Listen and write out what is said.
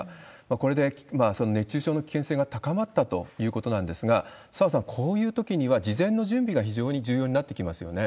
これで熱中症の危険性が高まったということなんですが、澤さん、こういうときには事前の準備が非常に重要になってきますよね。